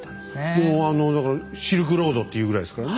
もうあのだから「シルクロード」と言うぐらいですからね。